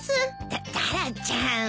タタラちゃん。